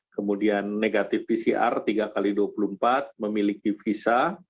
kemudian negatif pcr tiga x dua puluh empat memiliki visa